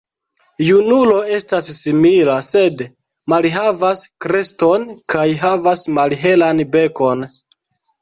Junulo estas simila, sed malhavas kreston kaj havas malhelan bekon.